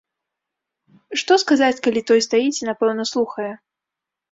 Што сказаць, калі той стаіць і, напэўна, слухае.